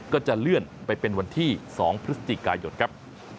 ก็จะเลื่อนไปเป็นวันที่๒พฤศจิกายนครับ